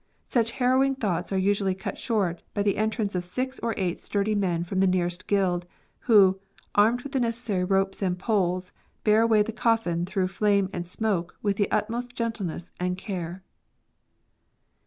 Such harrowing thoughts are usually cut short by the entrance of six or eight sturdy men from the nearest guild, who, armed with the necessary ropes and poles, bear away the coffin through flame and smoke with the utmost gentleness and care.